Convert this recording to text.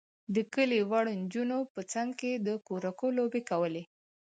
د کلي وړو نجونو به څنګ کې د کورکو لوبې کولې.